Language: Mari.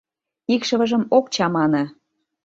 Икшывыжым ок чамане.